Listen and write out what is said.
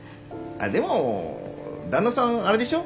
でも旦那さんあれでしょ？